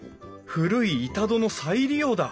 古い板戸の再利用だ！